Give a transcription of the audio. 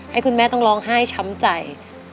ให้คุณแม่ต้องร้องไห้ช้ำใจ